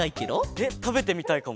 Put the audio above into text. えったべてみたいかも。